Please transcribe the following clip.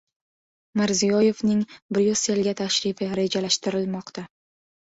Mirziyoyevning Bryusselga tashrifi rejalashtirilmoqda